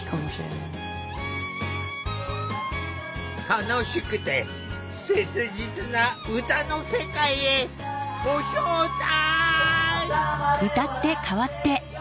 楽しくて切実な歌の世界へご招待！